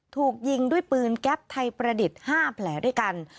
ถูกยิงด้วยปืนแก๊ปไทยประดิษฐ์๕แผลด้วยกัน